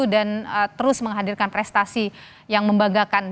dan terus menghadirkan prestasi yang membanggakan